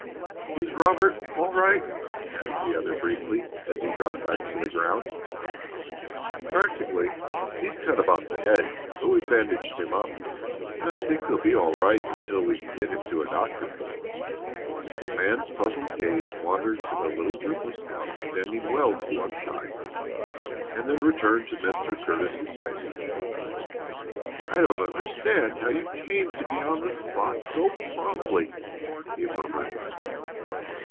"Is Robert all right?" asked the other, briefly, as he dropped back to the ground again. "Practically. He's cut about the head, but we've bandaged him up, and I think he'll be all right until we can get him to a doctor." The man's puzzled gaze wandered to the little group of scouts standing well to one side and then returned to Mr. Curtis's face. "I don't understand how you came to be on the spot so promptly," he murmured.